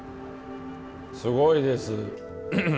すごいです。